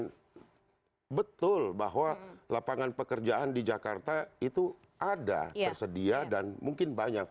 dan betul bahwa lapangan pekerjaan di jakarta itu ada tersedia dan mungkin banyak